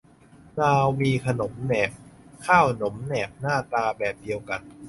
ลาวมี ขนมแหนบ ข้าวหนมแหนบ หน้าตาแบบเดียวกัน